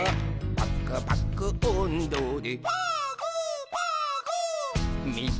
「パクパクおんどで」